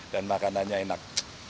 dan makanannya enak